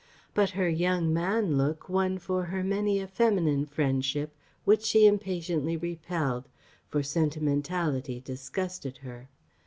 But her "young man" look won for her many a feminine friendship which she impatiently repelled; for sentimentality disgusted her.